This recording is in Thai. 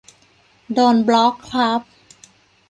โดนบล็อคครับ